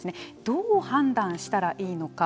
どう判断したらいいのか